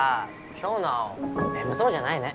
今日の青眠そうじゃないね。